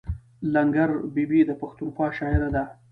لنګر بي بي د پښتونخوا شاعره ده.